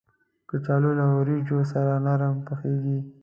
کچالو له وریجو سره نرم پخېږي